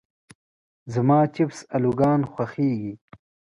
زما چپس الوګان خوښيږي.